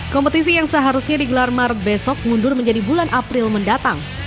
kompetisi yang seharusnya digelar maret besok mundur menjadi bulan april mendatang